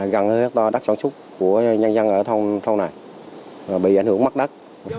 gần hơi hecta đất sản xuất của nhân dân ở thông này bị ảnh hưởng mắc đất